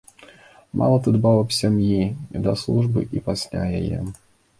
Мала ты дбаў аб сям'і і да службы і пасля яе.